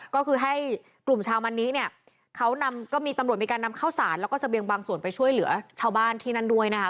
ก็คือให้กลุ่มชาวมันนี้เนี่ยเขานำก็มีตำรวจมีการนำเข้าสารแล้วก็เสบียงบางส่วนไปช่วยเหลือชาวบ้านที่นั่นด้วยนะคะ